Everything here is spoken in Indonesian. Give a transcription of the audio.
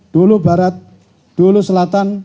dolo barat dolo selatan